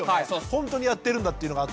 ほんとにやってるんだというのがあって。